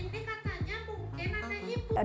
intinya katanya bukannya masanya bukannya